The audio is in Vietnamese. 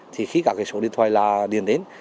thì khi cả số điện thoại điền đến